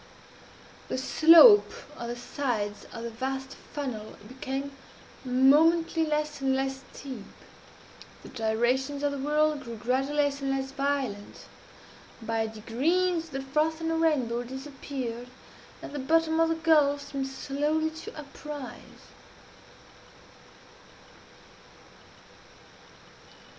The slope of the sides of the vast funnel became momently less and less steep. The gyrations of the whirl grew, gradually, less and less violent. By degrees, the froth and the rainbow disappeared, and the bottom of the gulf seemed slowly to uprise.